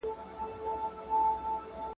زه مېن په اسلحو یم